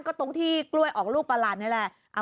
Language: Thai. ก็ตรงที่กล้วยออกลูกประหลาดนี่แหละ